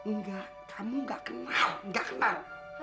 nggak kamu nggak kenal nggak kenal